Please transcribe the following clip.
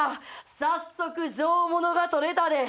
早速上物が採れたで。